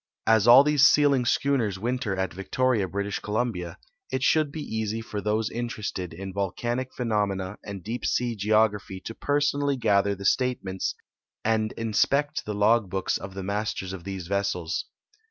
As all these sealing schooners winter at Victoria, British Co lumbia, it should he easy for those interested in volcanic phe nomena and deep sea geography to personally gather the state ments and inspect the log hooks of the masters of these vessels.